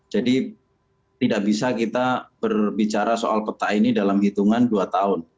jadi tidak bisa kita berbicara soal peta ini dalam hitungan dua tahun